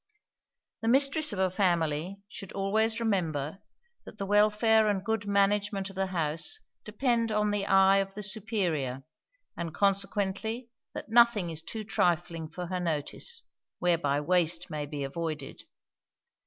The mistress of a family should always remember that the welfare and good management of the house depend on the eye of the superior, and, consequently, that nothing is too trifling for her notice, whereby waste may be avoided.